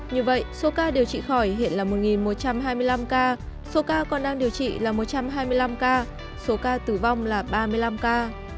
như vậy số ca điều trị khỏi hiện là một một trăm hai mươi năm ca số ca còn đang điều trị là một trăm hai mươi năm ca số ca tử vong là ba mươi năm ca